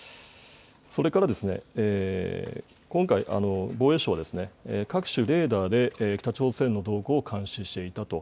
それからですね、今回、防衛省は、各種レーダーで北朝鮮の動向を監視していたと。